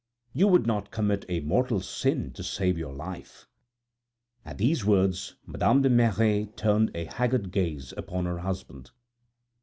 You would not commit a mortal sin to save your life." At these words Madame de Merret turned a haggard gaze upon her husband.